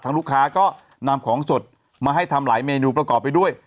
ลูกค้าก็นำของสดมาให้ทำหลายเมนูประกอบไปด้วย